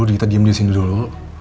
kita diem disini dulu